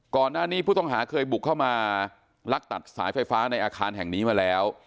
ก่อนหน้านี้ผู้ต้องหาเคยบุกเข้ามาลักตัดสายไฟฟ้าในอาคารแห่งนี้มาแล้ว